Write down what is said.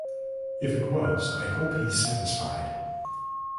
If it was, I hope he's satisfied.